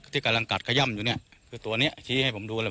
ที่กำลังกัดขย่ำอยู่เนี่ยคือตัวนี้ชี้ให้ผมดูเลย